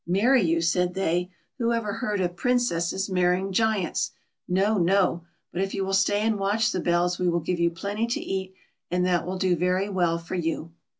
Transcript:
" Marry you," said they, " who ever heard of Prin cesses marrying Giants! No, no: but if you will stay and watch the bells, we will give you plenty to eat, and that will do very well for you."